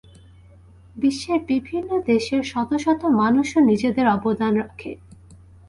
বিশ্বের বিভিন্ন দেশের শত শত মানুষও নিজেদের অবদান রাখে।